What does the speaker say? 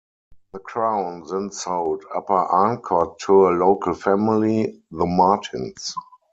The Crown then sold Upper Arncott to a local family, the Martins.